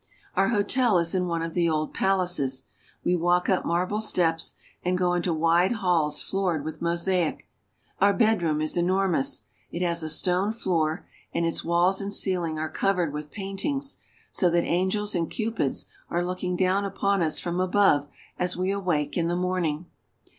Our hotel is in one of the old palaces. We walk up marble steps, and go into wide halls floored with mosaic. Our bedroom is enormous; it has a stone floor, and its walls and ceiling are covered with paintings, so that angels and cupids are looking down upon us from above as we awake in the morning.